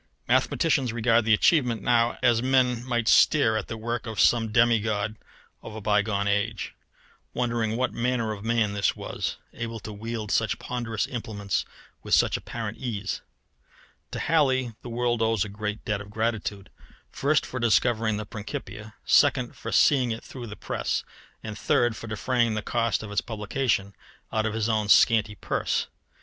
Mathematicians regard the achievement now as men might stare at the work of some demigod of a bygone age, wondering what manner of man this was, able to wield such ponderous implements with such apparent ease. To Halley the world owes a great debt of gratitude first, for discovering the Principia; second, for seeing it through the press; and third, for defraying the cost of its publication out of his own scanty purse.